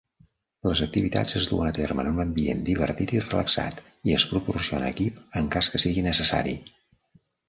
Les activitats es duen a terme en un ambient divertit i relaxat, i es proporciona equip en cas que sigui necessari.